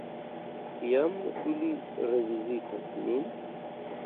Kiam ili revizitos nin?